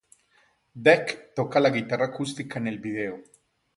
Dec toca la guitarra acústica en el vídeo.